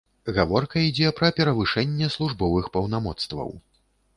Гаворка ідзе пра перавышэнне службовых паўнамоцтваў.